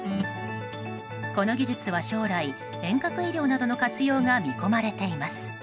この技術は将来、遠隔医療などの活用が見込まれています。